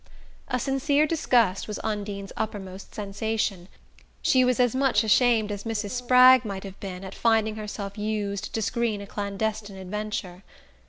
A sincere disgust was Undine's uppermost sensation. She was as much ashamed as Mrs. Spragg might have been at finding herself used to screen a clandestine adventure.